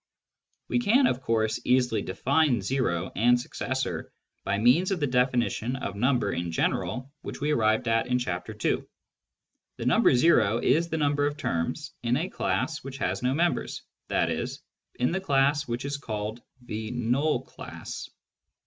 We can, of course, easily define " o " and " successor " by means of the definition of number in general which we arrived at in Chapter II. The number o is the number of terms in a class which has no members, i.e. in the class which is called the " null class."